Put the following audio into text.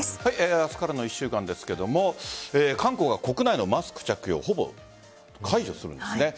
明日からの１週間ですが韓国は屋内のマスク着用ほぼ解除するんですね。